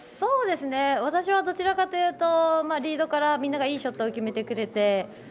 私はどちらかというとリードからみんながいいショットを決めてくれて。